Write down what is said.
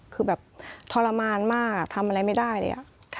คือแบบทรมานมากทำอะไรไม่ได้เลย